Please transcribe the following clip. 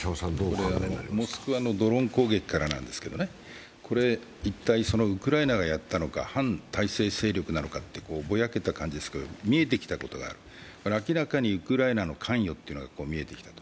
モスクワのドローン攻撃からなんですけど、これ、一体ウクライナがやったのか反体制勢力なのか、ぼやけた感じなんですけど見えてきたことがある明らかにウクライナの関与っていうのが見えてきた。